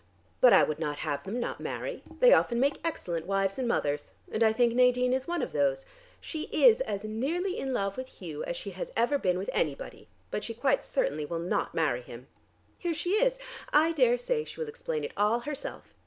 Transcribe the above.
But I would not have them not marry. They often make excellent wives and mothers. And I think Nadine is one of those. She is as nearly in love with Hugh as she has ever been with anybody, but she quite certainly will not marry him. Here she is; I daresay she will explain it all herself.